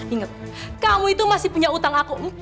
ingat kamu itu masih punya utang aku